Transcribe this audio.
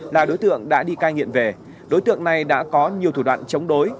là đối tượng đã đi cai nghiện về đối tượng này đã có nhiều thủ đoạn chống đối